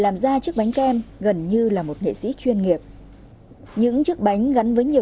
làm ra chiếc bánh kem gần như là một nghệ sĩ chuyên nghiệp những chiếc bánh gắn với nhiều